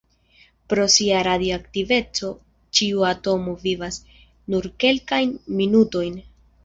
Pro sia radioaktiveco, ĉiu atomo vivas nur kelkajn minutojn.